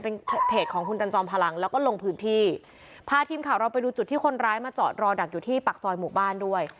เป็นเพจของคุณกันจอมพลังแล้วก็ลงพื้นที่พาทีมข่าวเราไปดูจุดที่คนร้ายมาจอดรอดักอยู่ที่ปากซอยหมู่บ้านด้วย